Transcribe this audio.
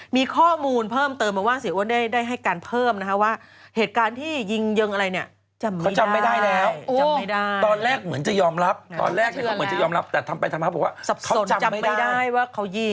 มีข้อมูลเพิ่มเติมมาว่าเสียอ้วนได้ให้การเพิ่มว่าเหตุการณ์ที่ยิงเยิงอะไรเนี่ย